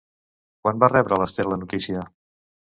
Quan va rebre l'Ester la notícia?